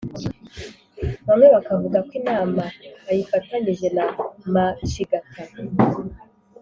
bamwe bakavuga ko inama ayifatanyije na macigata.